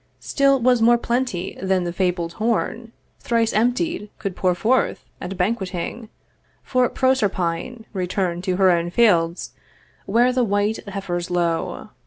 Still was more plenty than the fabled horn Thrice emptied could pour forth, at banqueting For Proserpine return'd to her own fields, Where the white heifers low.